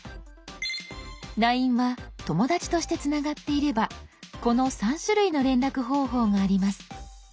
「ＬＩＮＥ」は「友だち」としてつながっていればこの３種類の連絡方法があります。